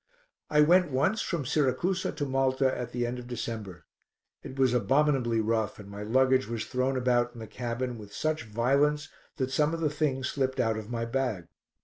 I went once from Siracusa to Malta at the end of December; it was abominably rough, and my luggage was thrown about in the cabin with such violence that some of the things slipped out of my bag.